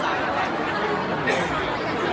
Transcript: การรับความรักมันเป็นอย่างไร